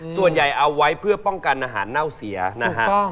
ส่วนใหญ่เอาไว้เพื่อป้องกันอาหารเน่าเสียนะฮะ